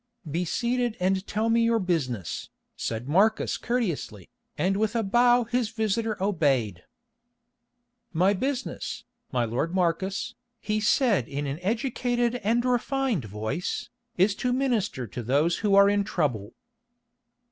"Be seated and tell me your business," said Marcus courteously, and with a bow his visitor obeyed. "My business, my lord Marcus," he said in an educated and refined voice, "is to minister to those who are in trouble."